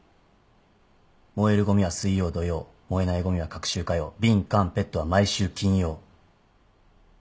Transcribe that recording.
燃えるごみは水曜土曜燃えないごみは隔週火曜瓶缶ペットは毎週金曜。